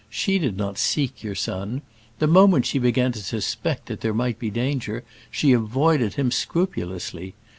She did not seek your son. The moment she began to suspect that there might be danger she avoided him scrupulously.